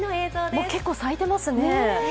もう結構咲いていますね。